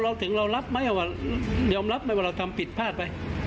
เราถึงเรารับไหมว่ายอมรับไหมว่าเราทำผิดพลาดไป